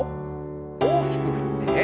大きく振って。